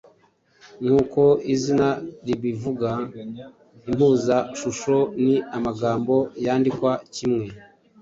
Nk’uko izina ribivuga impuzashusho ni amagambo yandikwa kimwe